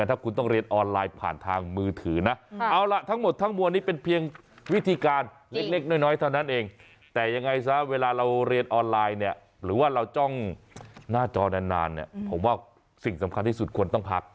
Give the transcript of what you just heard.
ถ้าเวลาเราเรียนออนไลน์หรือว่าเราจ้องหน้าจอนานผมว่าสิ่งสำคัญที่สุดควรต้องพัก